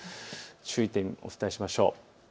注意点、お伝えしましょう。